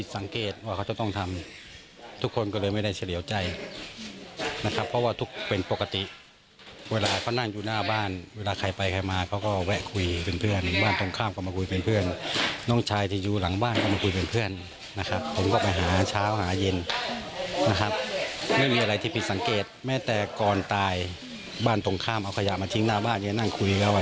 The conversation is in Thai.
สังเกตแม่แต่ก่อนตายบ้านตรงข้ามเอาขยะมาทิ้งหน้าบ้านนี่นั่งคุยกันว่า